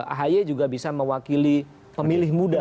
ahy juga bisa mewakili pemilih muda